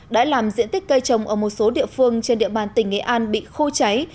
đã làm diện tích cây trồng ở một số địa phương trên địa bàn tỉnh nghệ an bị khô cháy